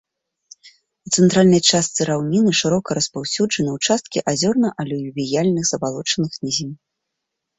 У цэнтральнай частцы раўніны шырока распаўсюджаны ўчасткі азёрна-алювіяльных забалочаных нізін.